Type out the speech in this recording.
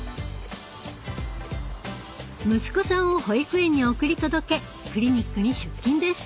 息子さんを保育園に送り届けクリニックに出勤です。